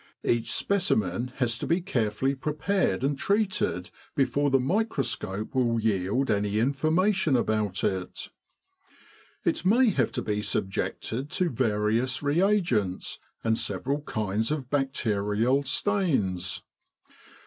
Each specimen has to be carefully prepared and 248 Military General Hospitals in Egypt treated before the microscope will yield any informa tion about it. It may have to be subjected to various reagents, and several kinds of bacterial stains.